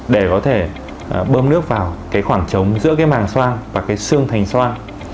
để có thể bơm nước vào cái khoảng trống giữa cái màng xoang và cái xương thành xoang